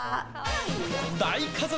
大家族！